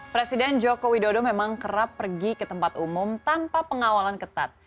presiden joko widodo memang kerap pergi ke tempat umum tanpa pengawalan ketat